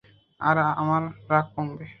আর আমার রাগও কমবে।